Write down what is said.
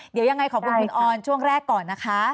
เดี๋ยวยังไงขอบคุณคุณออนช่วงแรกก่อนนะคะ